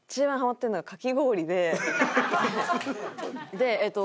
でえっと。